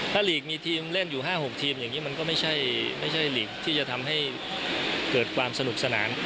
ถ้าลีกมีทีมเล่นอยู่๕๖ทีมอย่างนี้มันก็ไม่ใช่หลีกที่จะทำให้เกิดความสนุกสนาน